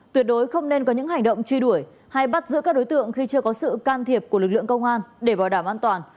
tuyệt đối không nên có những hành động truy đuổi hay bắt giữ các đối tượng khi chưa có sự can thiệp của lực lượng công an để bảo đảm an toàn